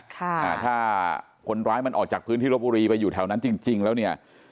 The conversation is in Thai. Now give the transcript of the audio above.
ถ้าคนร้ายมันออกจากพื้นที่ลบบุรีไปอยู่แถวนั้นจริงจริงแล้วเนี่ย